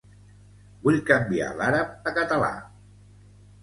Vull canviar l'àrab a català.